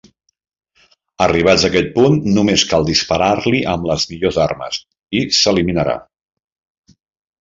Arribats a aquest punt, només cal disparar-li amb les millors armes i s'eliminarà.